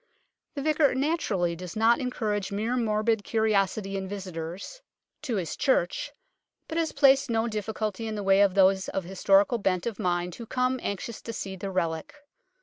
The Vicar naturally does not en courage mere morbid curiosity in visitors to his 16 UNKNOWN LONDON church, but has placed no difficulty in the way of those of historical bent of mind who come, anxious to see the relic.